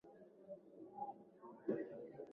za Waturuki na mwishowe desturi ya kufukuzwa kwa kijusi